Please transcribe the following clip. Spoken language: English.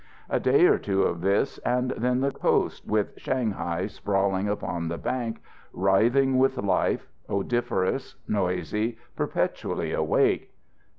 A day or two of this and then the coast, with Shanghai sprawling upon the bank, writhing with life, odoriferous, noisy, perpetually awake.